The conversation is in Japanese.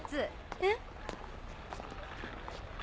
えっ？